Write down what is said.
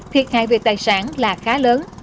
thiệt hại về tài sản là khá lớn